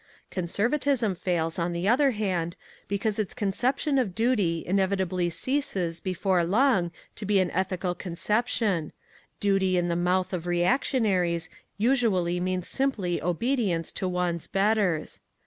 Conservatism fails, on the other hand, because its conception of duty inevitably ceases before long to be an ethical conception: duty in the mouth of reactionaries usually means simply obedience to one's "betters."